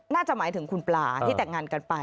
น่าจะหมายถึงคุณปลาที่แต่งงานกันไป